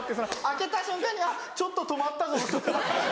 開けた瞬間にあっちょっと止まったぞとか。